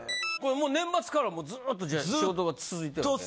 もう年末からもうずっとじゃあ仕事が続いてるわけ？